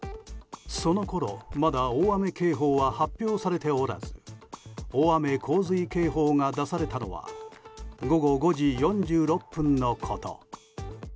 そのころ、まだ大雨警報は発表されておらず大雨・洪水警報が出されたのは午後５時４６分のこと。